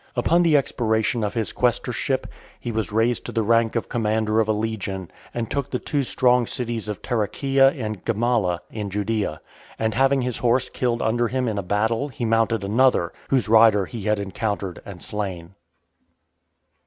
Upon the expiration of his quaestorship, he was raised to the rank of commander of a legion , and took the two strong cities of Tarichaea and Gamala, in Judaea; and having his horse killed under him in a battle, he mounted another, whose rider he had encountered and slain.